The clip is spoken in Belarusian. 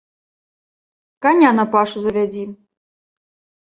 Каня на пашу завядзі.